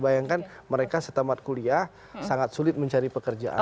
bayangkan mereka setamat kuliah sangat sulit mencari pekerjaan